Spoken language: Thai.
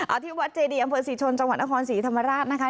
เอาที่วัดเจดีอำเภอศรีชนจังหวัดนครศรีธรรมราชนะคะ